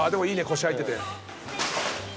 腰入ってて。